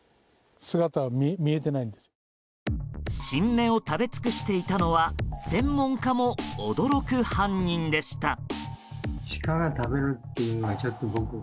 新芽を食べ尽くしていたのは専門家も驚く犯人でした。